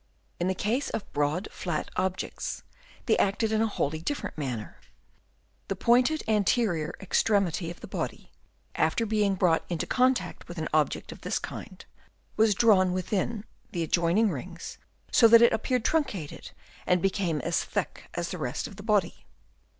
In the case of broad flat objects they acted in a wholly different manner. The pointed anterior extremity of the body, after being brought into contact with an object of this kind, was drawn within the adjoining rings, so that it appeared truncated and became as thick as the rest of the body.